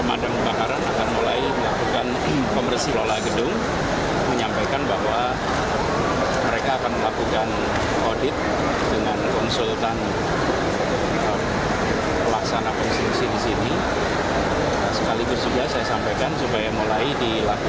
anies bursa efek indonesia